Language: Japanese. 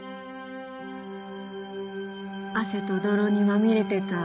汗と泥にまみれてた